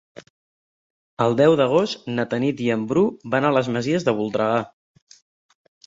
El deu d'agost na Tanit i en Bru van a les Masies de Voltregà.